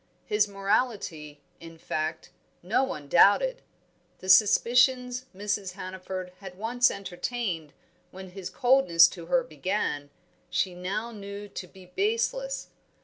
His morality, in fact, no one doubted; the suspicions Mrs. Hannaford had once entertained when his coldness to her began, she now knew to be baseless.